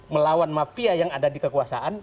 melawan mafia yang ada di kekuasaan